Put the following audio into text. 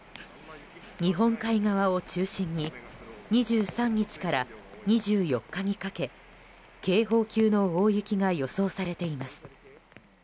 日本海側を中心に２３日から２４日にかけ警報級の大雪が予想されています。